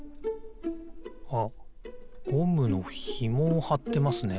あっゴムのひもをはってますね。